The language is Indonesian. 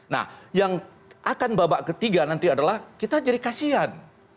nah yang akan babak ketiga nanti adalah kita jadi kasian